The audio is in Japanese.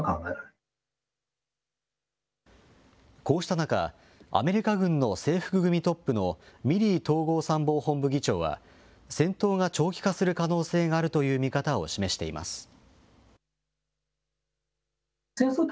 こうした中、アメリカ軍の制服組トップのミリー統合参謀本部議長は戦闘が長期化する可能性があるという見方を示しています。